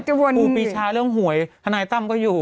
ครูปีชาเรื่องหวยเธอมาอยู่